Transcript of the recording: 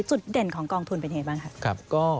จุดเด่นของกองทุนเป็นอย่างไรบ้าง